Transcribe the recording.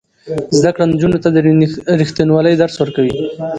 زده کړه نجونو ته د ریښتینولۍ درس ورکوي.